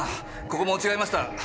ここも違いました。